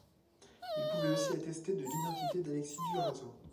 Il pouvait aussi attester de l'identité d'Alexis Durazzo.